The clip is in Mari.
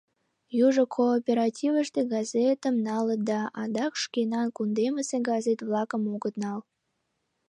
Южо кооперативыште газетым налыт да, адак шкенан кундемысе газет-влакым огыт нал.